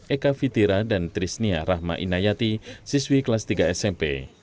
eka fitira dan trisnia rahma inayati siswi kelas tiga smp